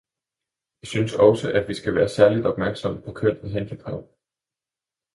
Jeg synes også, at vi skal være særlig opmærksomme på køn og handicap.